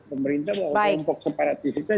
pemerintah bahwa kelompok separatif itu